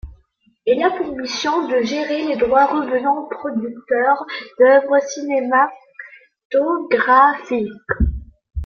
Elle a pour mission de gérer les droits revenant aux producteurs d'œuvres cinématographiques.